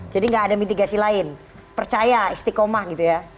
jadi gak ada mitigasi lain percaya istiqomah gitu ya